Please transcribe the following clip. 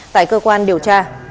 tại cơ quan điều tra